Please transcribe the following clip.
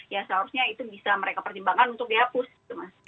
ya seharusnya itu bisa mereka pertimbangkan untuk dihapus